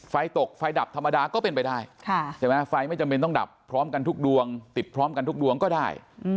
ไฟตกไฟดับธรรมดาก็เป็นไปได้ไฟไม่จำเป็นต้องดับติดพร้อมกันทุกดวงก็ได้